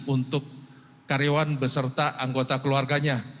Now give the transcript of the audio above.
untuk karyawan beserta anggota keluarganya